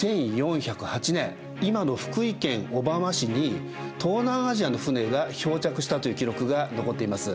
１４０８年今の福井県小浜市に東南アジアの船が漂着したという記録が残っています。